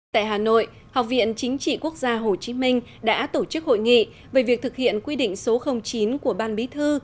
tại hà nội học viện chính trị quốc gia hồ chí minh đã tổ chức hội nghị về việc thực hiện quy định số chín của ban bí thư